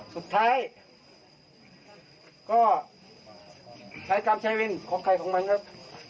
สุดท้ายก็ใช้กรรมใช้วินของใครของมันครับ